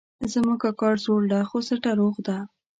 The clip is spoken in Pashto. زما کاکا زوړ ده خو سټه روغ ده